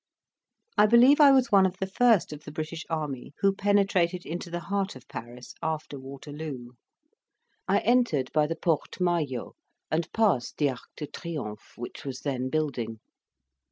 I believe I was one of the first of the British army who penetrated into the heart of Paris after Waterloo. I entered by the Porte Maillot, and passed the Arc de Triomphe, which was then building.